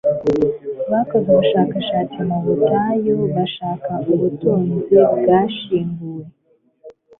bakoze ubushakashatsi mu butayu bashaka ubutunzi bwashyinguwe